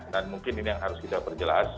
dan mungkin ini yang harus kita perjelas